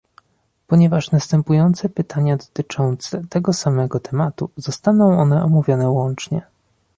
Ponieważ następujące pytania dotyczą tego samego tematu, zostaną one omówione łącznie